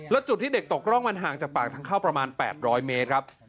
แล้วจุดที่เด็กตกร่องมันห่างจากปากทางเข้าประมาณ๘๐๐เมตรครับ